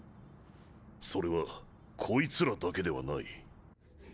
それはこいつらだけではない。